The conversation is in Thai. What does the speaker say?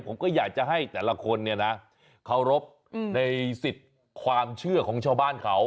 ผมก็อยากจะให้แต่ละคนเคารพในศิษฐ์ความเชื่อของชาวบ้านเขา